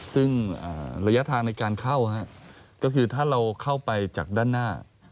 ซึ่งระยะทางในการเข้าก็คือถ้าเราเข้าไปจากด้านหน้า